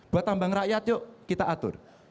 buat tambang rakyat yuk kita atur